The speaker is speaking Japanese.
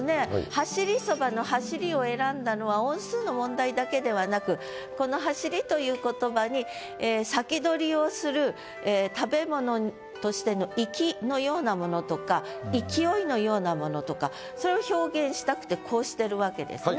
「走り蕎麦」の「走り」を選んだのは音数の問題だけではなくこの「走り」という言葉に食べ物としての粋のようなものとか勢いのようなものとかそれを表現したくてこうしてるわけですね。